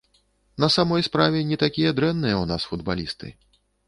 На самой справе, не такія дрэнныя ў нас футбалісты.